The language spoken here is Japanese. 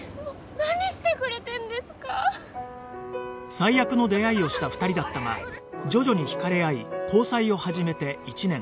最悪の出会いをした２人だったが徐々に惹かれ合い交際を始めて１年